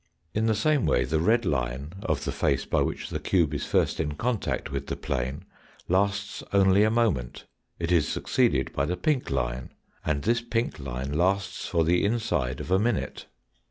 In the same way the red line of the face by which the cube is first in contact with the plane lasts only a moment, it is succeeded by the pink line, and this pink line lasts for the inside of a minute.